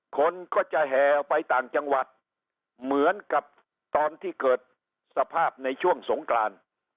คนก็จะแห่ออกไปต่างจังหวัดเหมือนกับตอนที่เกิดสภาพในช่วงสงกราน